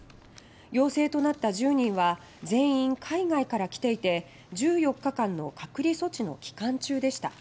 陽性となった１０人は全員海外から来ていて１４日間の隔離措置の期間中でした。